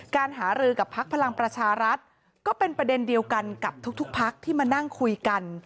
การหารือกับพักพลังประชารัฐก็เป็นประเด็นเดียวกันกับทุกพักที่มานั่งคุยกัน